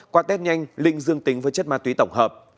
qua test nhanh linh dương tính với chất ma túy tổng hợp